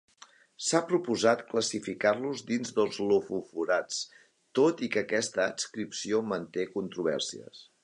S'ha proposat classificar-los dins els lofoforats, tot i que aquesta adscripció manté controvèrsies.